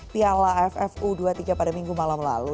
piala ffu dua puluh tiga pada minggu malam lalu